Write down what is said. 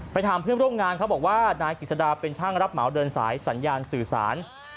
ถามเพื่อนร่วมงานเขาบอกว่านายกิจสดาเป็นช่างรับเหมาเดินสายสัญญาณสื่อสาร